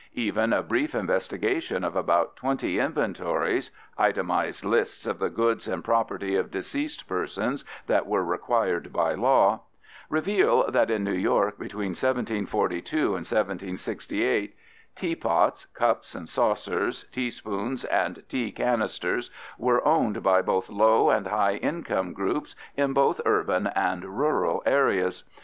Even a brief investigation of about 20 inventories itemized lists of the goods and property of deceased persons that were required by law reveal that in New York between 1742 and 1768 teapots, cups and saucers, teaspoons, and tea canisters were owned by both low and high income groups in both urban and rural areas.